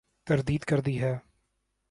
تردید کر دی ہے ۔